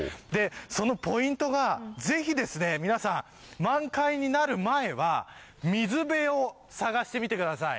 そのポイントがぜひ、皆さん満開になる前は水辺を探してみてください。